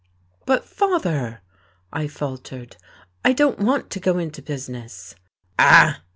"But father," I faltered, "I don't want to go into business." "Ah!"